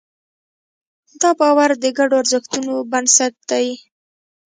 دا باور د ګډو ارزښتونو بنسټ دی.